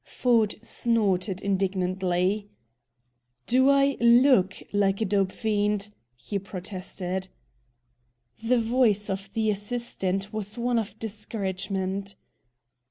Ford snorted indignantly. "Do I LOOK like a dope fiend?" he protested. The voice of the assistant was one of discouragement.